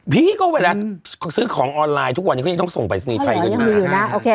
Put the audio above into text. พี่ก็เวลาซื้อของออนไลน์ทุกวันนี้เขายังต้องส่งปรายศนีย์ไทยกันอยู่นะ